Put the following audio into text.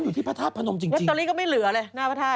ดูเป็นไงล่ะคะ